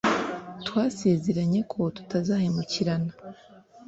twasezeranye ko tutazahemukirana